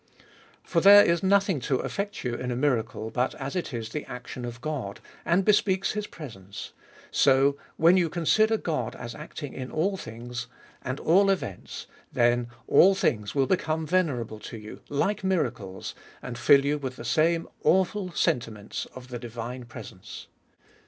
For, as there is nothing to af fect you in a miracle, but as it is the action of God, and bespeaks his presence ; so, when you consider God as acting in all things and all events, then all things will become venerable to you, like miracles, and fiiil you with the same awful sentiments of the di vine presence.